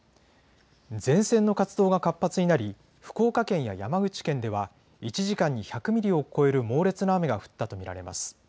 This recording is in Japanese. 前線の活動が活発になり福岡県や山口県では１時間に１００ミリを超える猛烈な雨が降ったと見られます。